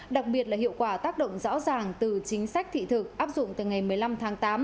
đặc biệt là hiệu quả tác động rõ ràng từ chính sách thị thực áp dụng từ ngày một mươi năm tháng tám